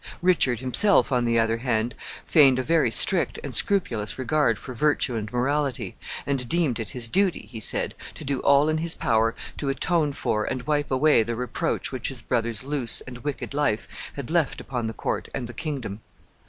Richard himself, on the other hand, feigned a very strict and scrupulous regard for virtue and morality, and deemed it his duty, he said, to do all in his power to atone for and wipe away the reproach which his brother's loose and wicked life had left upon the court and the kingdom.